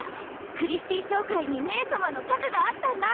クリスティー商会に姉様の核があったんだ。